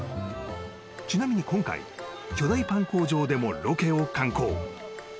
ちなみに今回巨大パン工場でもロケを敢行